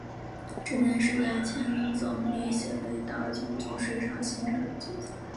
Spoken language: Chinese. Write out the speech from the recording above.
这件事在千宗易写给岛井宗室的信上有记载。